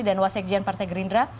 dan wasik jian partai gerindra